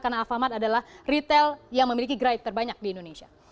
karena alfamart adalah retail yang memiliki grade terbanyak di indonesia